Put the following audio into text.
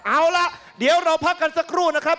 เอาล่ะเดี๋ยวเราพักกันสักครู่นะครับ